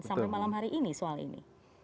sampai malam hari ini soal ini